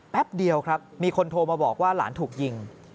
แป๊บเดียวครับมีคนโทรมาบอกว่าหลานถูกยิง